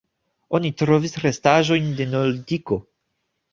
Oni trovis restaĵojn de neolitiko.